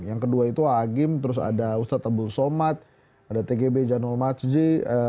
yang kedua itu agim terus ada ustadz tabul somad ada tgb janul majid